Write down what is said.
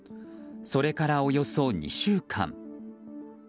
それからおよそ２週間。